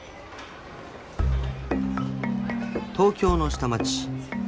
［東京の下町］